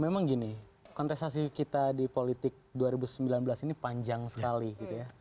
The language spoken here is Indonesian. memang gini kontestasi kita di politik dua ribu sembilan belas ini panjang sekali gitu ya